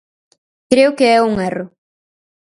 Creo que é un erro.